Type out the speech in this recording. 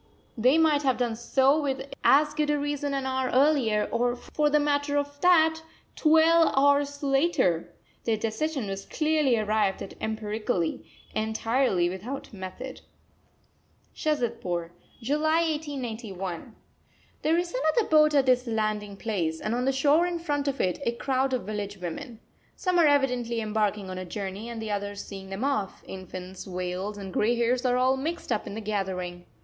They might have done so with as good a reason an hour earlier, or, for the matter of that, twelve hours later! Their decision was clearly arrived at empirically, entirely without method. SHAZADPUR, July 1891. There is another boat at this landing place, and on the shore in front of it a crowd of village women. Some are evidently embarking on a journey and the others seeing them off; infants, veils, and grey hairs are all mixed up in the gathering.